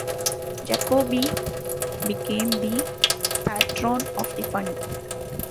Jacobi became the patron of the Fund.